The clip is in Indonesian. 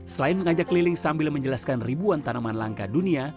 selain mengajak keliling sambil menjelaskan ribuan tanaman langka dunia